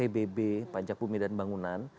pbb pajak bumi dan bangunan